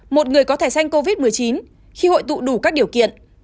một người có thẻ xanh covid một mươi chín khi hội tụ đủ các điều kiện